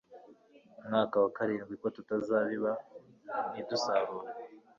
mwaka wa karindwi ko tutazabiba ntidusarure